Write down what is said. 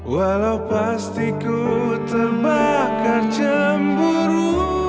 walau pasti ku terbakar cemburu